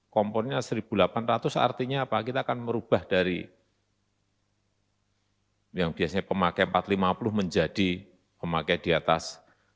kompornya satu delapan ratus artinya apa kita akan merubah dari yang biasanya pemakai empat ratus lima puluh menjadi pemakai di atas